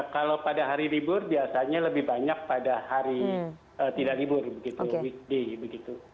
kalau pada hari libur biasanya lebih banyak pada hari tidak libur begitu weekday begitu